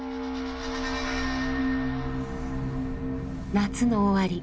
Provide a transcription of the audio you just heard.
夏の終わり。